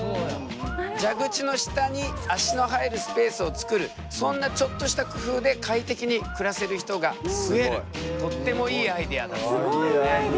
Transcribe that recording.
蛇口の下に足の入るスペースを作るそんなちょっとした工夫で快適に暮らせる人が増えるとってもいいアイデアだと思うよね。